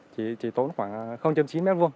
chỉ tốn khoảng chín m hai